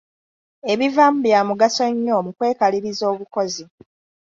Ebivaamu bya mugaso nnyo mu kwekaliriza obukozi.